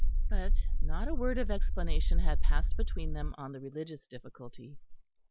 But not a word of explanation had passed between them on the religious difficulty.